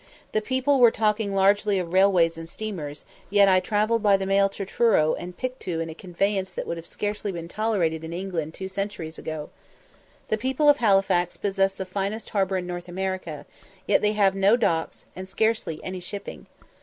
The people were talking largely of railways and steamers, yet I travelled by the mail to Truro and Pictou in a conveyance that would scarcely have been tolerated in England two centuries ago. The people of Halifax possess the finest harbour in North America, yet they have no docks, and scarcely any shipping.